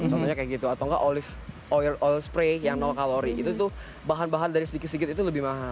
contohnya kayak gitu atau enggak olive oil old spray yang nol kalori itu tuh bahan bahan dari sedikit sedikit itu lebih mahal